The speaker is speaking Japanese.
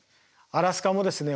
アラスカもですね